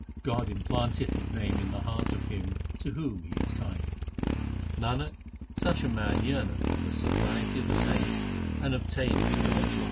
God implanteth His name in the heart of him to whom He is kind. Nanak, such a man yearneth for the society of the saints and obtaineth God s love.